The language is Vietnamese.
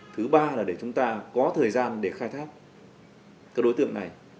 thứ ba là để chúng ta có thời gian để khai thác các đối tượng này